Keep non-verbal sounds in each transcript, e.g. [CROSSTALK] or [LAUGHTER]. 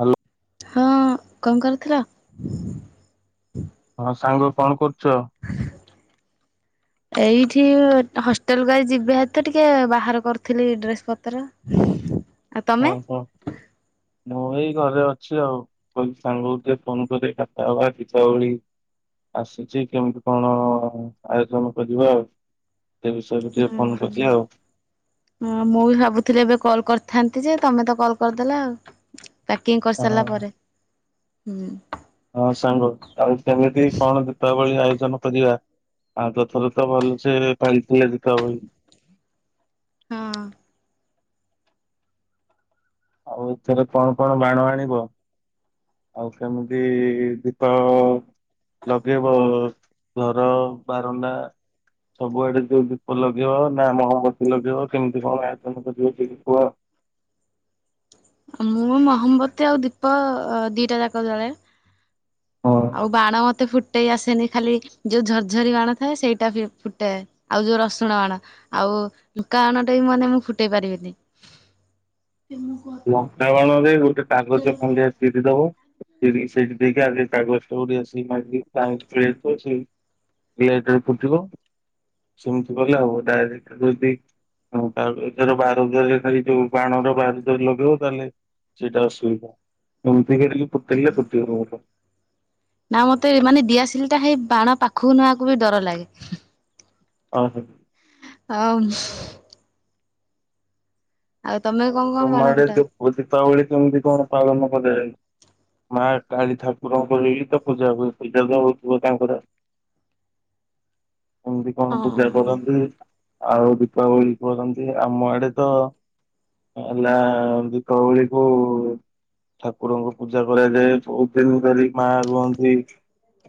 Hello. ହଁ କଣ କରୁଥିଲ? ହଁ ସାଙ୍ଗ କଣ କରୁଛ? ଏଇଠି ହଷ୍ଟେଲକୁ ଆଜି ଯିବେ ହେରି ତ ଟିକେ ବାହାର କରୁଥିଲି ଡ୍ରେସ ପତ୍ର। ଆଉ ତମେ? ଓହୋ ମୁଁ ଏଇ ଘରେ ଅଛି ଆଉ। ମୁଁ କହିଲି ସାଙ୍ଗ କୁ ଟିକେ ଫୋନ କରେ କଥା ହେବା ଇଛା ବୋଳିକି। ଆସିଛି କେମିତି କଣ ଆୟୋଜନ କରିବା ଆଉ। ସେ ବିଷୟରେ ଟିକେ ଓହୋ। ଫୋନ କରିଛି ଆଉ। ହଁ ମୁଁ ବି ଭାବୁଥିଲି ଏବେ କଲ କରିଥାନ୍ତି ଯେ ତମେ ତ କଲ କରିଦେଲ ଆଉ। ପ୍ୟାକିଂ ହଁ କରିସାରିଲା ପରେ ହୁଁ। ହଁ ସାଙ୍ଗ ଆଉ କେମିତି କଣ ଦୀପାବଳି ଆୟୋଜନ କରିବା। ଆଗ ଥର ଭଲ ସେ ପାଳିଥିଲେ ଦୀପାବଳୀ। ହଁ ଆଉ ଏଥରେ କଣ କଣ ବାଣ ଆଣିବ। ଆଉ ସେମିତି ଦୀପ ଲଗେଇବ ଘର ବାରଣ୍ଡା ସବୁଆଡ଼େ ଯୋଉ ଦୀପ ଲଗେଇବ ନା ମହମତୀ ଲଗେଇବ କେମିତି କଣ ଆୟୋଜନ କରିବ ଟିକେ କୁହ। ମୁଁ ମହମବତୀ ଆଉ ଦୀପ ଦିଟା ଯାକ ଜଳାଏ। ଆଉ ବାଣ ମତେ ଫୁ ଫୁଟେଇ ଆସେନି ଖାଲି ଯୋଉ ଝରଝରି ବାଣ ଥାଏ ସେଇଟା ଫୁଟେ ଆଉ ଯୋଉ ରସୁଣ ବାଣ ଆଉ ଲଙ୍କା ବାଣଟେ ବି ମାନେ ମୁଁ ଫୁଟେଇ ପାରିବିନି। ଲଙ୍କାବାଣରେ ଗୋଟେ କାଗଜ ଖଣ୍ଡେ ଚିରିଦବ। ସେ ସେଠ ଦେଖି ଆଗ ତାଗଷ୍ଟୋଛି [UNINTELLIGIBLE] ଲେଟ ରେ ଫୁଟିବ ସେମିତି କଲେ ହବ। ଡାଇରେକ୍ଟ ଯଦି ହଁ ତା ଏଥର ବାରୁଦରେ ଖାଲି ଯୋଉ ବାଣର ବାର ଯଦି ଲଗେଇବ ତାହେଲେ ସେଇଟା ଅସୁବିଧା ଏମିତି ହେଇ ଫୁଟେଇଲେ ଫୁଟିବ। ନା ମତେ ମାନେ ଦିଆସିଲି ଟା ହେଇ ବାଣ ପାଖକୁ ନେବାକୁ ବି ଡର ଲାଗେ। ଓହୋ ହଉ। ଆଉ [UNINTELLIGIBLE] ଆଉ ତମେ କଣ କଣ ତମ ବାଣ ଆଡ଼େ ଫୁଟାଅ? ଦୀପାବଳି କେମିତି କଣ ପାଳନ କରାଯାଏ। ମା କାଳୀ ଠାକୁରଙ୍କର ତ ପୂଜା ହୁଏ ପୂଜା ଯୋଉ ହଉଥିବ ତାଙ୍କର କେମିତି କଣ ହଁ ପୂଜା କରନ୍ତି। ଆଉ ଦୀପାବଳି କରନ୍ତି ଆମ ଆଡ଼େ ତ ହେଲା ଦୀପାବଳିକୁ ଠାକୁରଙ୍କ ପୂଜା କରାଯାଏ ବହୁତ ଦିନ ଧରି ମା ରୁହନ୍ତି।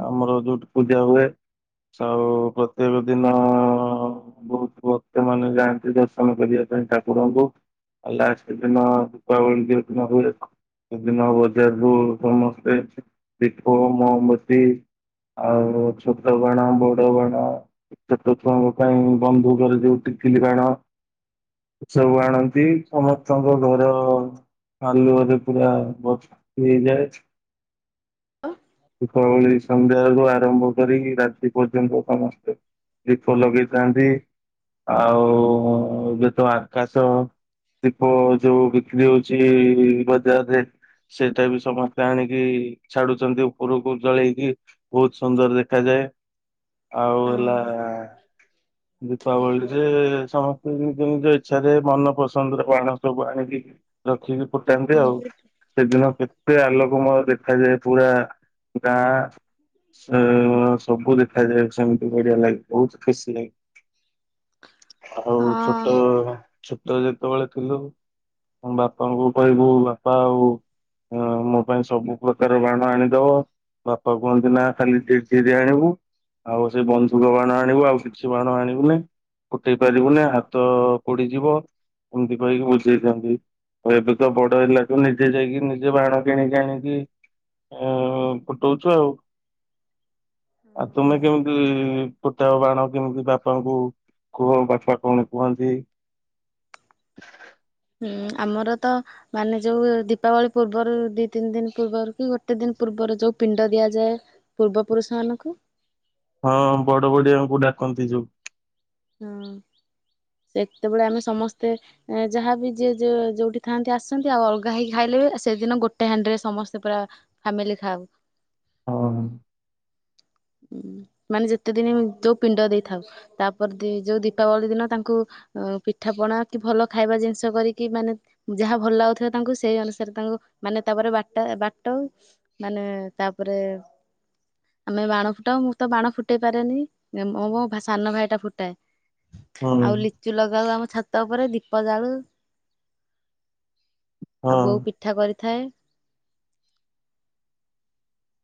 ଆମର ଯୋଉଠି ପୂଜା ହୁଏ ଆଉ ପ୍ରତ୍ୟେକ ଦିନ ବହୁତ ଭକ୍ତ ମାନ ଯାଆନ୍ତି ଦର୍ଶନ କରିବା ପାଇଁ ଠାକୁରଙ୍କୁ। ଲାଷ୍ଟ ଦିନ ଦୀପାବଳି ଯୋଉଦିନ ହୁଏ, ସେଦିନ ବଜାରରୁ ସମସ୍ତେ ଦୀପ ମହମବତୀ ଆଉ ଛୋଟ ବାଣ, ବଡ ବାଣ, ଛୋଟ ଛୁଆଙ୍କ ପାଇଁ ବନ୍ଧୁ ଘରେ ଯୋଉ ଟିକିଲି ବାଣ ସବୁ ଆଣ ବି ସମସ୍ତଙ୍କ ଘର ଆଲୁଅରେ ପୁରା ଭର୍ତ୍ତି ହେଇଯାଏ। ହଁ ଦୀପାବଳି ସନ୍ଧ୍ୟାାରୁୁ ଆରମ୍ଭ କରି ରାତି ପର୍ଯ୍ୟନ୍ତ ସମସ୍ତେ ଦିପ ଲଗେଇଥାନ୍ତି ଆଉ ଯେତେବେଳେ ଆକାଶ ଦୀପ ଯୋଉ ବିକ୍ରି ହଉଛି ବଜାରରେ ସେଇଟା ବି ସମସ୍ତେ ଆଣିକି ଛାଡୁଛନ୍ତି ଉପରକୁ ଜଳେଇକି। ବହୁତ ସୁନ୍ଦର ଦେଖାଯାଏ। ଆଉ ହେଲା ହଁ ଦୀପାବଳିରେ ସମସ୍ତେ ନିଜ ନିଜ ଇଛାରେ ମନ ପସନ୍ଦର ବାଣ ସବୁ ଆଣିକି ରଖିକି ଫୁଟାନ୍ତି ଆଉ। ସେଦିନ କେତେ ଆଲୋକମୟ ଦେଖାଯାଏ ପୁରା ଗାଁ ଅ ସବୁ ଦେଖାଯାଏ। ସେମିତି ବଢିଆ ଲାଗେ ବହୁତ ଖୁସି ଲାଗେ। ଆଉ ଛୋଟ ଛୋଟ ଯେତେବେଳେ ଥିଲୁ। ଆମ ବାପାଙ୍କୁ କହିବୁ ବାପା ଆଉ ହଁ ମୋ ପାଇଁ ସବୁ ପ୍ରକାର ବାଣ ଆଣିଦବ। ବାପା କୁହନ୍ତି ନା ଖାଲି ଝିରିଝିରିଆ ଆଣିବୁ ଆଉ ସେଇ ବନ୍ଧୁକ ବାଣ ଆଣିବୁ ଆଉ କିଛି ବାଣ ଆଣିବୁନାଇଁ। ଫୁଟେଇ ପାରିବୁନି ହାତ ପୋଡିଯିବ, ଏମିତି କହିକି ବୁଝେଇଥାନ୍ତି। ଆଉ ଏବେ ତ ବଡ ହେଲା ତୁ ନିଜେ ଯାଇକି ନିଜେ ବାଣ କିଣିକି ଆଣିକି ଆ ଫୁଟଉଛୁ ଆଉ। ଆ ତୁମେ କେମିତି ଫୁଟାଅ ବାଣ କେମିତି ବାପାଙ୍କୁ କୁହ ବାପା କଣ କୁହନ୍ତି ହୁଁ ଆମର ତ ମାନେ ଯଉ ଦୀପାବଳି ପୂର୍ବରୁ ଦିଇ ତିନି ଦିନ ପୂର୍ବରୁ କି ଗୋଟେ ଦିନ ପୂର୍ବରୁ ଯୋଉ ପିଣ୍ଡ ଦିଆଯାଏ। ପୂର୍ବ ପୁରୁଷ ମାନଙ୍କୁ। ହଁ ବଡ ବଡିଆଙ୍କୁ ଡାକନ୍ତି ଯୋଉ। ହଁ ସେତେବେଳେ ଆମେ ସମସ୍ତେ ଯାହାବି ଯିଏ ଯୋଉଠି ଥାଆନ୍ତି ଆସନ୍ତି। ଆଉ ଅଲଗା ହେଇକି ଖାଇଲେ ବି ସେଦିନ ଗୋଟେ ହାଣ୍ଡିରେ ସମସ୍ତେ ପୁରା ଫ୍ୟାମିଲି ଖାାଉ। ହଁ। ମାନେ ଯେତେ ଦିନ ଯୋଉ ପିଣ୍ଡ ଦେଇଥାଉ ତାପରେ ଯୋଉ ଦୀପାବଳି ଦିନ ତାଙ୍କୁ ଅ ପିଠା ପଣା, କି ଭଲ ଖାଇବା ଜିନିଷ କରିକି ମାନେ ଯାହା ଭଲ ଲାଗୁଥିବ ତାଙ୍କୁ ସେଇ ଅନୁସାରେ ତାଙ୍କୁ ମାନେ ତାପରେ ବାଟ ବାଟଉ। ମାନେ ତାପରେ ଆମେ ବାଣ ଫୁଟାଉ। ମୁଁ ତ ବାଣ ଫୁଟେଇ ପାରେନି ମୋ ମୋ ସାନ ଭାଇ ଟା ଫୁଟାଏ। ହୁଁ ଆଉ ଲିଚ ଚୁ ଲଗାଉ ଆମ ଛାତ ଉପରେ। ଦୀପ ଜାଳୁ ଆଉ ବୋଉ ହଁ। ପିଠ ପିଠା କରିଥାଏ।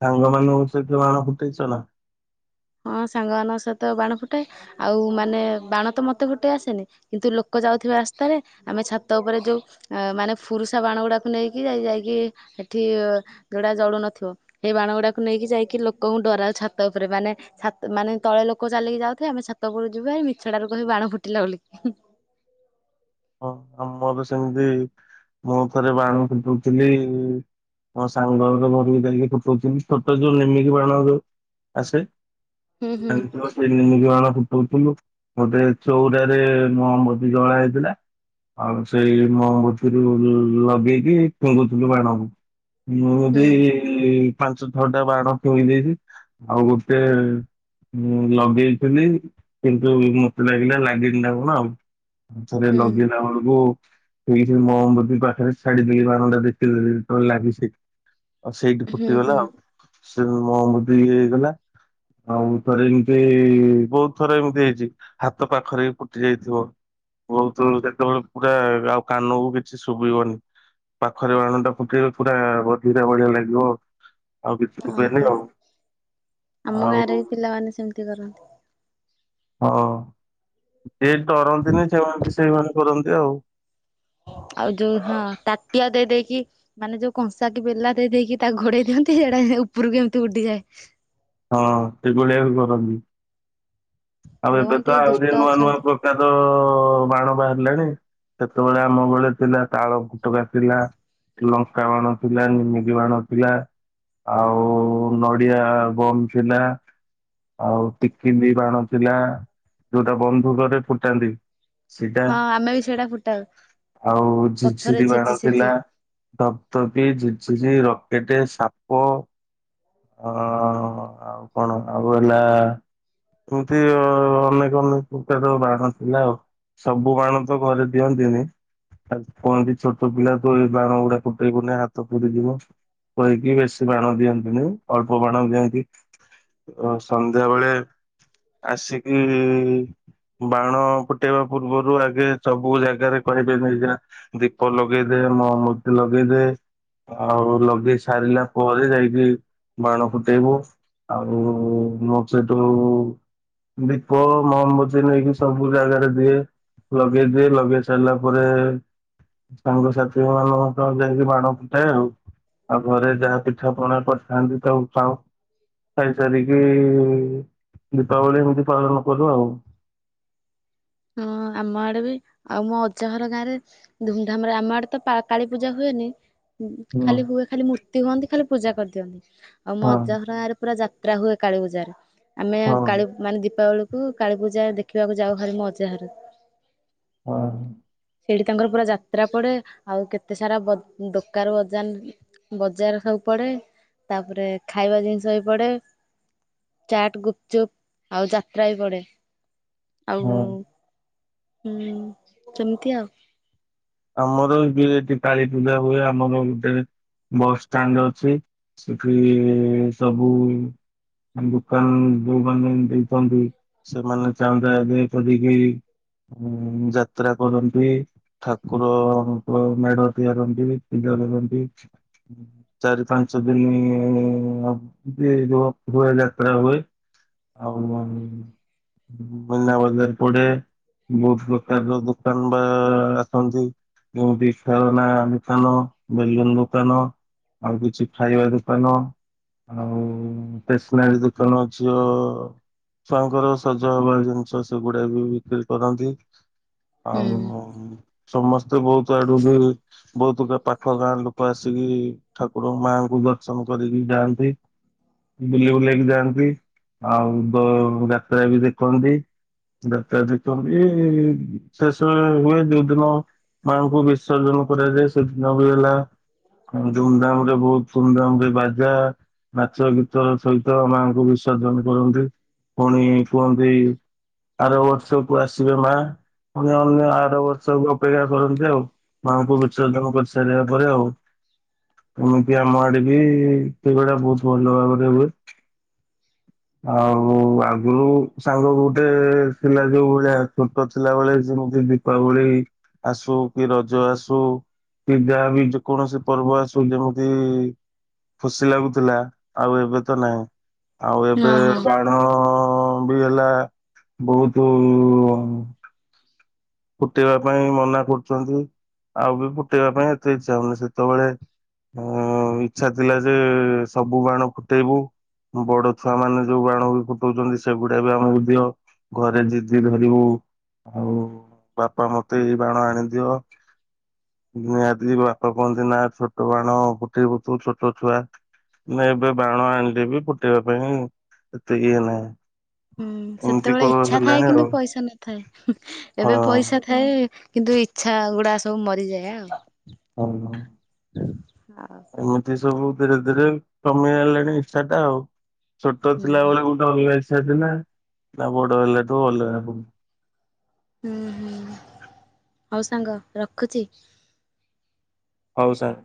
ସାଙ୍ଗ ମାନଙ୍କୁ ସହିତବାଣ ଫୁଟେଇଛ ନା? ହଁ ସାଙ୍ଗମାନାନଙ୍କ ସହିତ ବାଣ ଫୁଟାଏ। ଆଉ ମାନେ ବାଣ ତ ମତେ ଫୁଟେଇ ଆସେନି, କିନ୍ତୁ ଲୋକ ଯାଉଥିବା ରାସ୍ତାରେ ଆମେ ଛାତ ଉପରେ ଯୋଉ ମାନେ ଫୁରୁଷା ବାଣ ଗୁଡ଼ାକୁ ନେଇକି ଯାଇ ଯାଇକି ଏଠି ଯୋଉଡା ଜଳୁ ନଥିବ ସେଇ ବାଣ ଗୁଡାକୁ ନେଇକି ଯାଇକି ଲୋକଙ୍କୁ ଡରାଉ ଛାତ ଉପରେ ମାନେ ଛାତ ମାନେ ତଳେ ଲୋକ ଚାଲିକି ଯାଉଥିବେ। ଆମେ ଛାତ ଉପୁରରୁ ଯିବୁ ଆଉ ମିଛଡାରୁ କହିବୁ ବାଣ ଫୁଟିଲା ବୋଲି କି ହଁ ଆଉ ମୋର ସେମିତି ମୁଁ ଥରେ ବାଣ ଫୁଟଉଥିଲି। ମୋ ସାଙ୍ଗର ମୋର ବି ଧରିକି ଫୁଟଉଥିଲୁ ଛୋଟ ଯୋଉ ନେମିକି ବାଣ ଯୋଉ ଆସେ। ହୁଁ ହୁଁ [UNINTELLIGIBLE] ତିନି ଜଣ ଫୁଟଉଥିଲୁ ଗୋଟେ ଚଉରାରେ ମହମବତୀ ଜଳା ହେଇଥିଲା। ଆଉ ସେଇ ମହମବତୀରୁ ଲଗେଇକି ଫିଙ୍ଗୁଥିଲୁ ବାଣକୁ। ମୁଁ ହୁଁ ବି ପାଞ୍ଚ, ଛଅଟା ବାଣ ଫିଙ୍ଗି ଦେଇଛି ଆଉ ଗୋଟେ। ମୁଁ ଲଗେଇଥିଲି କିନ୍ତୁ ମୋତେ ଲାଗିଲା ଲାଗିନି ନା କଣ ଆଉ। ଉଁ ଥରେ ହୁଁ ଲଗେ [UNINTELLIGIBLE] ମହମବତୀ ପାଖରେ ଛାଡିଦେଲି [UNINTELLIGIBLE] ଲାଗି ସେ। ଆଉ ସେଇଠି ହୁଁ ଫୁଟିଗଲା ହୁଁ ଆଉ ସେ ମୋ ମୁଦି ଇଏ ହେଇଗଲା। ଆଉ ଥରେ ଏମିତି ବହୁତ ଥର ଏମିତି ହେଇଛି। ହାତ ପାଖରେ ବି ଫୁଟି ଯାଇଥିବ ବହୁତ [UNINTELLIGIBLE] ସେତେବେଳେ ପୁରା ଆଉ କାନକୁ କିଛି ଶୁଭିବନି। ପାଖରେ ବାଣ ଟା ଫୁଟିଲେ ପୁରା ବଧିରା ଭଳିଆ ଲାଗିବ। ଆଉ କିଛି ଶୁଭେନି ଓହୋ ଆଉ ଆମ ଗାଁରେ ଆଉ। ବି ପିଲାମାନେ ସେମିତି କରନ୍ତି। ହଁ ସେ ଡରନ୍ତିନି ସେମାନେ ବି ସେଇମାନେ କରନ୍ତି ଆଉ। ଆଉ ଯୋଉ ହଁ ତାଟିଆ ଦେଇ ଦେଇକି। ମାନେ ଯୋଉ କଂସା କି ବେଲା ଦେଇ ଦେଇକି ତାକୁ ଘୋଡେଇ ଦିଅନ୍ତି ସେଟା ଉପରକୁ ଏମିତି ଉଠିଯାଏ। ହଁ ସେ ଭଳିଆ ବି କରନ୍ତି ଆଉ ଏବେ ଯୋଉମାନେ ତ ଟିକେ ଆହୁରି ଦୁଷ୍ଟ ନୂଆ ନୂଆ ଅଛନ୍ତି ପ କାର ବାଣ ବାହାରିଲାଣି। ସେତେବେଳେ ଆମ ବେଳେ ଥିଲା ତାଳ ଫୁଟକା ଥିଲା। ଲଙ୍କା ବାଣ ଥିଲା ନିମିକି ବାଣ ଥିଲା ଆଉ ନଡିଆ। ବମ ଥିଲା। ଆଉ ଟିକିଲି ବାଣ ଥିଲା ଯୋଉଟା ବନ୍ଧୁକରେ ଫୁଟାନ୍ତି। ସେଇଟା ହଁ ଆମେ ବି ସେଇଟା ଫୁଟାଉ ଆଉ ପଥରରେ ଝୁରଝୁରି ଛେଚି ବାଣ ଛେଚି। ଥିଲା। ଧପଧପି, ଝୁରଝୁରି, ରକେଟ, ସାପ ଅଁ। ହଁ ଆଉ କଣ ଆଉ ହେଲା। ଏମିତି ଅ ଅନେକ ଅନେକ ପ୍ରକାର ବାଣ ଥିଲା ଆଉ। ସବୁ ବାଣ ତ ଘରେ ଦିଅନ୍ତିନି। ଆ କୁହନ୍ତି ଛୋଟ ପିଲା ତୁ ଏଇ ବାଣ ଗୁଡା ଫୁଟେଇବୁନି ହାତ ପୋଡି ଯିବ। କହିକି ବେଶୀ ବାଣ ଦିଅନ୍ତିନି ଅଳ୍ପ ବାଣ ଦିଅନ୍ତି। ଓ ସନ୍ଧ୍ୟାବେଳେ ଆସିକି। ବାଣ ଫୁଟେଇବା ପୂର୍ବରୁ ଆଗେ ସବୁ ଜାଗାରେ କହିବେ [UNINTELLIGIBLE] ଦୀପ ଲଗେଇଦେ ମହମବତୀ ଲଗେଇଦେ। ଆଉ ଲଗେଇ ସାରିଲା ପରେ ଯାଇକି ବାଣ ଫୁଟେଇବୁ। ଆଉ ମୁଁ ସେଇଠୁ। ଦୀପ, ମହମବତୀ ନେଇକି ସବୁ ଜାଗାରେ ଦିଏ। ଲଗେଇଦେ ଲଗେଇ ସାରିଲା ପରେ ସାଙ୍ଗସାଥି ମାନ ଲଗେଇକି ବାଣ ଫୁଟାଏ ଆଉ ଆଉ ଘରେ ଯାହା ପିଠା ପଣା କରିଥାନ୍ତି ତାକୁ ଖାଉ ଖାଇ ସାରିକି ଦୀପାବଳୀ ଏମିତି ପାଳନ କରୁ ଆଉ। ହଁ ଆମ ଆଡେ ବି ଆଉ ମୋ ଅଜା ଘର ଗାଁରେ। ଧୁମଧାମରେ ଆମ ଆଡେ ତ ପା କାଳୀ ପୂଜା ହୁଏନି। ଉଁ ହୁଁ ଖାଲି ହୁଏ ଖାଲି ମୂର୍ତ୍ତି ହୁଅନ୍ତି ଖାଲି ପୂଜା କରିଦିଅନ୍ତି ଆଉ ମୋ ହଁ ଅଜା ଘର ଗାଁରେ ପୁରା ଯାତ୍ରା ହୁଏ କାଳୀପୂଜାର ଆମେ ହଁ। କାଳୀ ମାନେ ଦୀପାବଳି କୁ କାଳୀ ପୂଜା ଦେଖିବାକୁ ଯାଉ ଭାରି ମୋ ଅଜା ଘର ଅହଁ। ସେଇଠି ତାଙ୍କର ପୁରା ଯାତ୍ରା ପଡ଼େ ଆଉ କେତେ ସାରା ବ ଦୋକାର ବଜାନ ବଜାର ସବୁ ପଡ଼େ ତାପରେ ଖାଇବା ଜିନିଷ ବି ପଡ଼େ ଚାଟ, ଗୁପଚୁପ ଆଉ ଯାତ୍ରା ବି ପଡେ ଆଉ ହଁ ହୁଁ ସେମିତି ଆଉ। ଆମର ବି ଏଠି କାଳୀପୂଜା ହୁଏ ଆମର ଗୋଟେ ବସଷ୍ଟାଣ୍ଡ ଅଛି ସେଠି ସବୁ ଦୋକାନ ଯୋଉମାନେ ଦେଇଥାନ୍ତି ସେମାନେ ଚାନ୍ଦା ଆଦାୟ କରିକି ଉଁ ଯାତ୍ରା କରନ୍ତି ଠାକୁର ମେଢ ତିଆରନ୍ତି ପୂଜା କରନ୍ତି ଚାରି ପାଞ୍ଚ ଦିନ ହୁଏ ଯାତ୍ରା ହୁଏ ଆଉ ଉମ ମୀନା ବଜାର ପଡେ ବହୁତ ପ୍ରକାରର ଦୋକାନ ବା କରନ୍ତି ଯେମତି ଖେଳନା। [UNINTELLIGIBLE] ବେଲୁନ ଦୋକାନ ଆଉ କିଛି ଖାଇବା ଦୋକାନ। ଆଉ ଷ୍ଟେସନାରୀ ଦୋକାନ ଅଛି ଯୋଉ ଛୁଆଙ୍କର ସଜ ହବା ଜିନିଷ ସେଗୁଡା ବି ବିକ୍ରି କରନ୍ତି। ହୁଁ ଆଉ ସମସ୍ତେ ବହୁତ ଆଡୁ ବି ବହୁତୁ କା ପାଖ ଗାଁ ଲୋ କ ଆସିକି ଠାକୁର ମାଙ୍କୁ ଦର୍ଶନ କରିକି ଯାଆନ୍ତି। ବୁଲି ବୁଲାକି ଯାଆନ୍ତି ଆଉ ବ ଯାତ୍ରା ବି ଦେଖନ୍ତି। ଯାତ୍ରା ଦେଖନ୍ତି ଶେଷ ହୁଏ ଯୋଉ ଦିନ ମାଆଙ୍କୁ ବିସର୍ଜନ କରାଯାଏ ସେଦିନ ବି ହେଲା। ଧୁମଧାମ ରେ ବହୁତ ଧୁମଧାମ ରେ ବାଜା ନାଚ ଗୀତ ସହିତ ମାଙ୍କୁ ବିସର୍ଜନ କରନ୍ତି ପୁଣି କୁହନ୍ତି ଆର ବର୍ଷକୁ ଆସିବେ ମା ପୁଣି ଆମେ ଆର ବର୍ଷକୁ ଅ ପେକ୍ଷା କରନ୍ତି ଆଉ ମାଙ୍କୁ ବିସର୍ଜନ କରିସାରିବା ପରେ ଆଉ। ଏମିତି ଆମ ଆଡେ ବି ସେଇଭଳିଆ ବହୁତ ଭଲ ଭାବରେ ହୁଏ। ଆଉ ଆଗୁରୁ ସାଙ୍ଗ ଗୋଟେ ଥିଲା ଯୋଉ ଭଳିଆ ଛୋଟ ଥିଲାବେଳେ ସେମତି ଦେଖ୍ ଦୀପାବଳି ଆସୁ କି ରଜ ଆସୁ କି ଯାହା ବି ଯେ କୌଣସି ପର୍ବ ଆସୁ ଯେମିତି ଖୁସି ଲାଗୁଥିଲା ଆଉ ଏବେ ତ ନାହିଁ। ଆଉ ଏବେ ହଁ ହଁ। ବାଣ ବି ହେଲା ବହୁତୁ ଫୁଟେଇବା ପାଇଁ ମନା କରୁଛନ୍ତି, ଆଉ ବି ଫୁଟେଇବା ପାଇଁ ଏତେ ଇଚ୍ଛା ହଉନି। ସେତେବେଳେ ଉମ୍ ଇଚ୍ଛା ଥିଲା ଯେ ସବୁ ବାଣ ଫୁଟେଇବୁ ବଡ ଛୁଆମାନେ ଯୋଉ ବାଣ ବି ଫୁଟଉଛନ୍ତି ସେଗୁଡା ବି ଆମକୁ ଦିଅ। ଘରେ ଜିଦି ଧରିବୁ ଆଉ ବାପା ମତେ ଏଇ ବାଣ ଆଣିଦିଅ। ନିହାତି ବାପା କୁହନ୍ତି ନା ଛୋଟ ବାଣ ଫୁଟେଇବୁୁ ତୁ ଛୋଟ ଛୁଆ। ନାଁ ଏବେ ବାଣ ଆଣିଲେ ବି ଫୁଟେଇବା ପାଇଁ ହିଁ ଏତେ ଇଏ ନାହିଁ। ହୁଁ ଏମିତି ସେତେବେଳେ କଣ ଇଚ୍ଛା ଥାଏ ହେଲାଣି କିନ୍ତୁ ଆଉ ପଇସା ନଥାଏ। ହଁ ଏବେ ପଇସା ଥାଏ କିନ୍ତୁ ଇଚ୍ଛା ଗୁଡା ସବୁ ମରିଯାଏ ଆଉ। ହଉ ଆଉ ଆମର ଏ ସବୁ ଧୀରେ ଧୀରେ କମିଗଲାଣି ଇଚ୍ଛାଟା ଆଉ। ଛୋଟ ହୁଁ ଥିଲାବେଳେ [UNINTELLIGIBLE] ନା ବଡ ହେଲାଠୁ ଅଲଗା ହବୁନି। ହୁଁ ହୁଁ। ହଉ ସାଙ୍ଗ ରଖୁଚି। ହଉ ସାର୍।